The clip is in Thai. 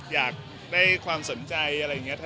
อยากได้ความสนใจอะไรอย่างนี้